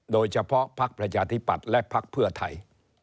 โดยเฉพาะภักดิ์ประชาธิปัตย์และภักดิ์เพื่อไทย